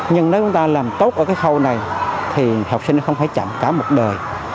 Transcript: nhưng nếu chúng ta làm tốt ở cái khâu này thì học sinh không phải chậm cả một đời